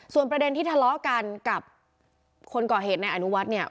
ส่วนประเด็นที่ทะเลาะกันกับคนก่อเหตุในอนุวัฒน์เนี่ย